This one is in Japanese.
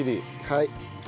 はい。